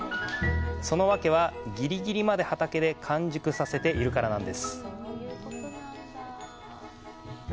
そのわけは、ぎりぎりまで畑で完熟させているからなんです。